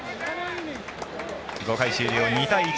５回終了、２対１。